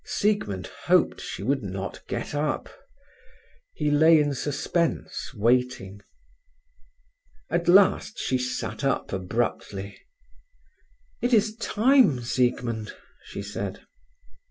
Siegmund hoped she would not get up. He lay in suspense, waiting. At last she sat up abruptly. "It is time, Siegmund," she said.